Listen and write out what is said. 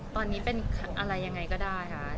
ตอนนี้เป็นอะไรยังไงก็ได้ค่ะ